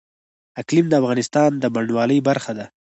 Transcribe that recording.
اقلیم د افغانستان د بڼوالۍ برخه ده.